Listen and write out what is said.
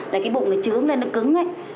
là cái bụng nó trướng lên nó cứng ấy